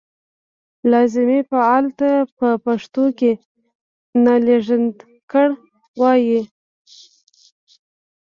لازمي فعل ته په پښتو کې نالېږندکړ وايي.